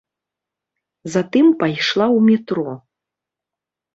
Затым пайшла ў метро.